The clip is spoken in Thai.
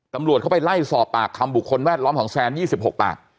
ตำรวจเข้าไปไล่สอบปากคำบุคคลแวดล้อมของแซน๒๖ปาก